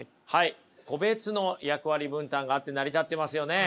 個別の役割分担があって成り立ってますよね。